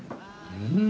うん！